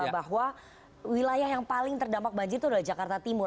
bahwa wilayah yang paling terdampak banjir itu adalah jakarta timur